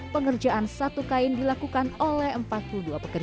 pengerjaan satu kain dilakukan oleh ember biru